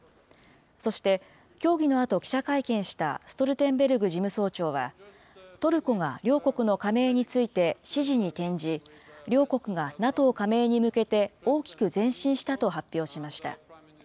そして、協議のあと記者会見したストルテンベルグ事務総長は、トルコが両国の加盟について支持に転じ、両国がＮＡＴＯ加盟に向けて、大きく前進したと発表しました。